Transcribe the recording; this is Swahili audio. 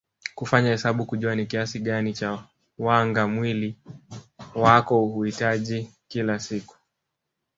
Kufanya hesabu kujua ni kiasi gani cha wanga mwili wako unahitaji kila siku